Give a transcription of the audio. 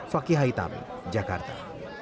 fakihai tami jakarta